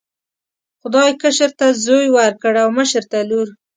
خدای کشر ته زوی ورکړ او مشر ته لور.